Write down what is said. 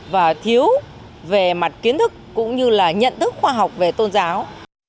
và thiếu về mặt kiến thức cũng như là nhận thức khoa học về tôn giáo